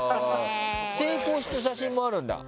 成功した写真もあるんだ。